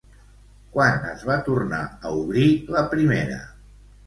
Quan es va tornar a obrir la primera?